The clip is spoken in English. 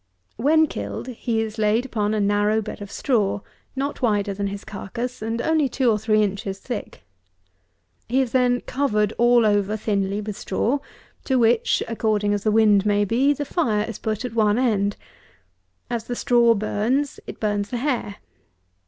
When killed he is laid upon a narrow bed of straw, not wider than his carcass, and only two or three inches thick. He is then covered all over thinly with straw, to which, according as the wind may be, the fire is put at one end. As the straw burns, it burns the hair.